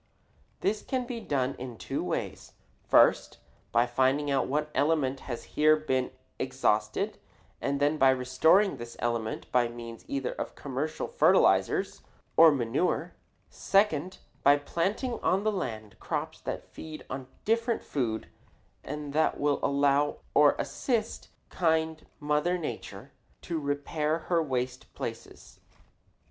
[Illustration: FIG. 25. GRASS FOLLOWING CORN] This can be done in two ways: first, by finding out what element has here been exhausted, and then restoring this element by means either of commercial fertilizers or manure; second, by planting on the land crops that feed on different food and that will allow or assist kind Mother Nature "to repair her waste places."